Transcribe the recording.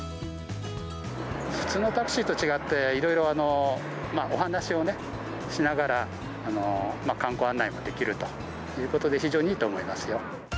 普通のタクシーと違って、いろいろお話をね、しながら、観光案内もできるということで、非常にいいと思いますよ。